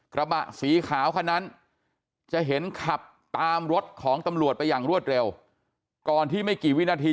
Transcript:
กระบะสีขาวคันนั้นจะเห็นขับตามรถของตำรวจไปอย่างรวดเร็วก่อนที่ไม่กี่วินาที